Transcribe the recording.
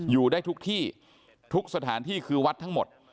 อยู่ได้ทุกที่ทุกสถานที่คือวัดทั้งหมด